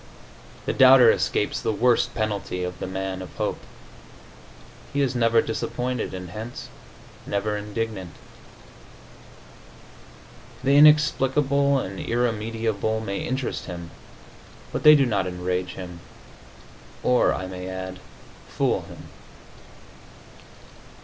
The doubter escapes the worst penalty of the man of hope; he is never disappointed, and hence never indignant. The inexplicable and irremediable may interest him, but they do not enrage him, or, I may add, fool him.